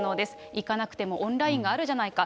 行かなくてもオンラインがあるじゃないか。